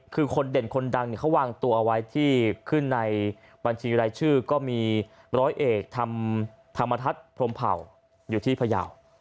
คือคนเด่นคนดังเขาวางตัวเอาไว้ที่ขึ้นในบัญชีรายชื่อก็มีร้อยเอกธรรมทัศน์พรมเผ่าอยู่ที่พยาว